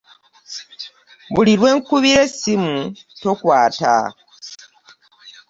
Buli lwe nkukubira essimu tokwata!